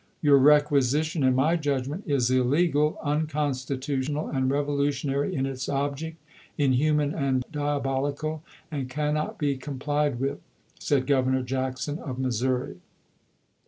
"Your requisition, in my judgment, is illegal, un constitutional, and revolutionary in its object, inhuman and diabolical, and cannot be complied with," said Governor Jackson of Missouri.